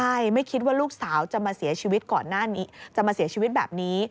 ใช่ไม่คิดว่าลูกสาวจะมาเสียชีวิตก่อนหน้านี้จะมาเสียชีวิตแบบนี้